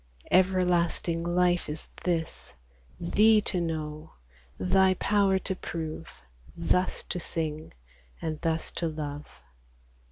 Everlasting life is this, Thee to know, Thy power to prove, Thus to sing, and thus to love